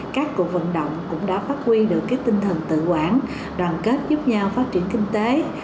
các cuộc vận động cũng đã phát huy được tinh thần tự quản đoàn kết giúp nhau phát triển kinh tế